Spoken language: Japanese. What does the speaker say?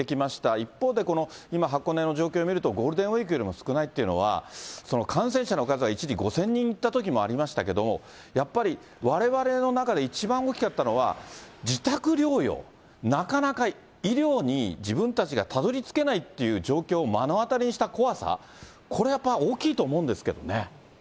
一方で、今、箱根の状況見るとゴールデンウィークよりも少ないっていうのは、感染者の数が一時５０００人いったときもありましたけれども、やっぱりわれわれの中で一番大きかったのは、自宅療養、なかなか医療に自分たちがたどりつけないという状況を目の当たりにした怖さ、これやっぱり大きいと思うんですけどね。